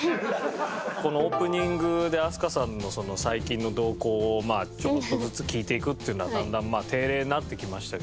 このオープニングで飛鳥さんの最近の動向をちょっとずつ聞いていくっていうのはだんだん定例になってきましたけどね。